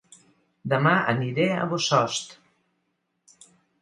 Dema aniré a Bossòst